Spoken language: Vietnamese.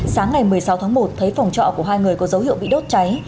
sáng ngày một mươi sáu tháng một thấy phòng trọ của hai người có dấu hiệu bị đốt cháy